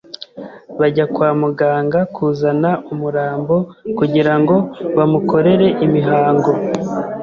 bajya kwa muganga kuzana umurambo kugirango bamukorere imihango